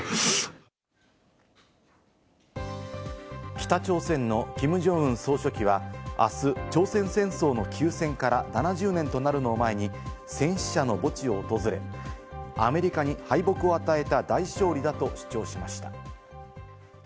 北朝鮮のキム・ジョンウン総書記はあす、朝鮮戦争の休戦から７０年となるのを前に、戦士者の墓地を訪れ、アメリカに敗北を与えた大勝利だと主張しました。